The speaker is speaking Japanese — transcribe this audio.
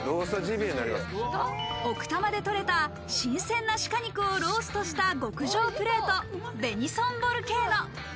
奥多摩でとれた新鮮な鹿肉をローストした極上プレート、ベニソンボルケーノ。